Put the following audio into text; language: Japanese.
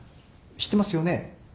知ってますよね？